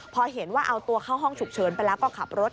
พอเห็นว่าเอาตัวเข้าห้องฉุกเฉินไปแล้วก็ขับรถ